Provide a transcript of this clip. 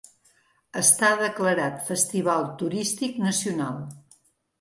Està declarat Festival Turístic Nacional.